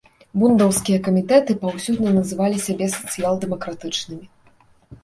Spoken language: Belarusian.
Бундаўскія камітэты паўсюдна называлі сябе сацыял-дэмакратычнымі.